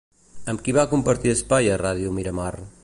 Amb qui va compartir espai a Ràdio Miramar?